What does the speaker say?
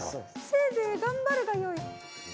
せいぜいがんばるがよい。